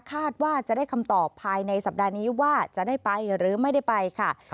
คาดว่าจะได้คำตอบภายในสัปดาห์นี้ว่าจะได้ไปหรือไม่ได้ไปค่ะ